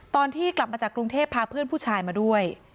ตอนที่กลับมาจากกรุงเทพพาเพื่อนผู้ชายมาด้วย